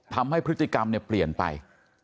ทำให้พฤติกรรมเปลี่ยนไป